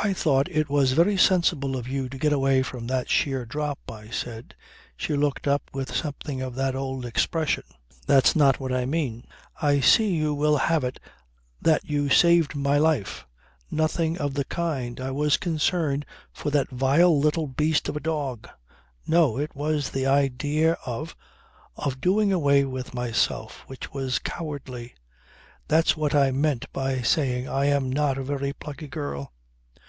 "I thought it was very sensible of you to get away from that sheer drop," I said. She looked up with something of that old expression. "That's not what I mean. I see you will have it that you saved my life. Nothing of the kind. I was concerned for that vile little beast of a dog. No! It was the idea of of doing away with myself which was cowardly. That's what I meant by saying I am not a very plucky girl."